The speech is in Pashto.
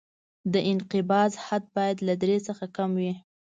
د انقباض حد باید له درې څخه کم وي